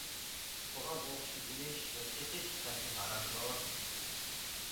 قۇرئان ئوقۇشنى ئېلىش ۋە سېتىش قەتئىي ھارامدۇر.